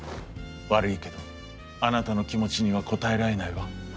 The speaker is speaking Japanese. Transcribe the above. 「悪いけどあなたの気持ちには応えられないわ」。